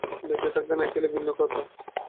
বেঁচে থাকতে না চাইলে ভিন্ন কথা।